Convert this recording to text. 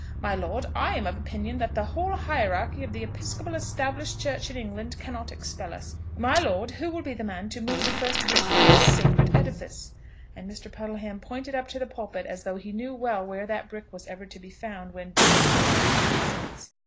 My lord, I am of opinion that the whole hierarchy of the Episcopal Established Church in England cannot expel us. My lord, who will be the man to move the first brick from this sacred edifice?" And Mr. Puddleham pointed up to the pulpit as though he knew well where that brick was ever to be found when duty required its presence.